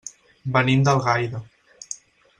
Venim d'Algaida.